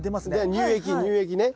乳液乳液ね。